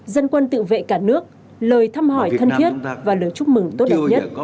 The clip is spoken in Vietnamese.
dân quân tự vệ cả nước lời thăm hỏi thân thiết và lời chúc mừng tốt đẹp nhất